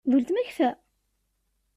D uletma-k ta?